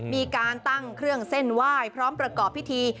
มีการตั้งเครื่องเส้นไหว้พร้อมประกอบพิธี